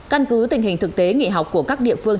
căn cứ tình hình thực tế nghỉ học của các địa phương